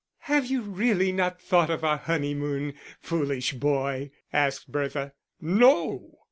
"Have you really not thought of our honeymoon, foolish boy?" asked Bertha. "No!"